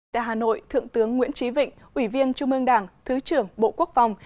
tại hà nội thượng tướng nguyễn trí vịnh ủy viên trung ương đảng thứ trưởng bộ quốc phòng